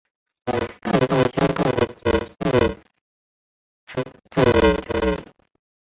更多相关的性质及证明在。